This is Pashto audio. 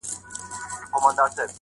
نن یاغي یم له زندانه ځنځیرونه ښخومه-